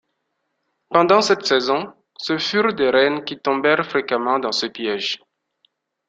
Pendant cette saison, ce furent des rennes qui tombèrent fréquemment dans ce piège.